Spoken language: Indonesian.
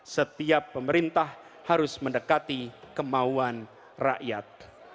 setiap pemerintah harus mendekati kemauan rakyat